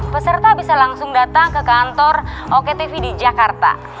peserta bisa langsung datang ke kantor oktv di jakarta